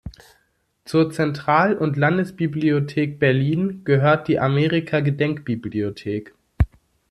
Zur Zentral- und Landesbibliothek Berlin gehört die Amerika-Gedenkbibliothek.